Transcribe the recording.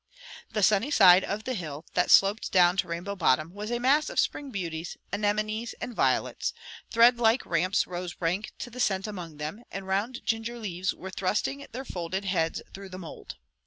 The sunny side of the hill that sloped down to Rainbow Bottom was a mass of spring beauties, anemones, and violets; thread like ramps rose rank to the scent among them, and round ginger leaves were thrusting their folded heads through the mold.